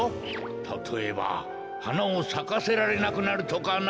たとえばはなをさかせられなくなるとかな。